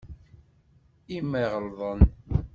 I ma ɣelḍen?